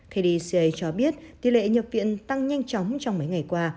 kdca cho biết tỷ lệ nhập viện tăng nhanh chóng trong mấy ngày qua